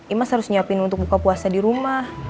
imas harus nyiapin untuk buka puasa dirumah